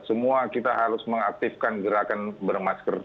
semua kita harus mengaktifkan gerakan bermasker